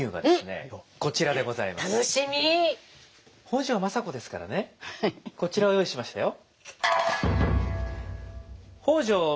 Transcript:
北条政子ですからねこちらを用意しましたよ。